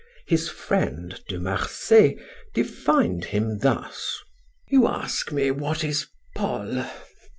His friend, De Marsay, defined him thus: "You ask me what is Paul?